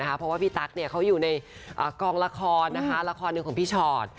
เพราะว่าพี่ตั๊กเขาอยู่ในกองละครละครหนึ่งของพี่ชอต